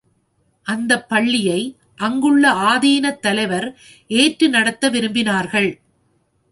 அந்தப் பள்ளியை அங்குள்ள ஆதீனத் தலைவர் ஏற்று நடத்த விரும்பினார்கள்.